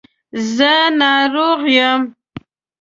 زه ناروغ یم